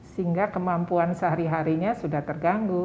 sehingga kemampuan sehari harinya sudah terganggu